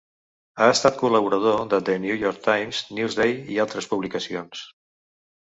Ha estat col·laborador de "The New York Times", "Newsday" i altres publicacions.